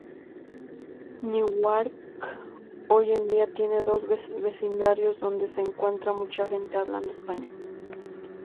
Newark hoy en día tiene dos vecindarios donde se encuentra mucha gente hablando español.